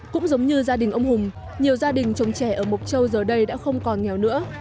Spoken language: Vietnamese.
cũng giống như gia đình ông hùng nhiều gia đình trồng trẻ ở mộc châu giờ đây đã không còn nghèo nữa